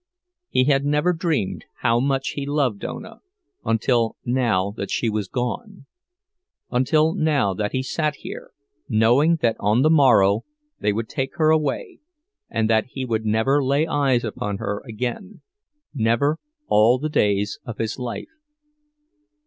He had never dreamed how much he loved Ona, until now that she was gone; until now that he sat here, knowing that on the morrow they would take her away, and that he would never lay eyes upon her again—never all the days of his life.